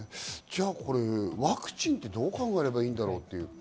ワクチンってどう考えればいいんだろう。